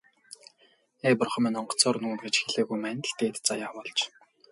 Ээ, бурхан минь, онгоцоор нүүнэ гэж хэлээгүй маань л дээд заяа болж.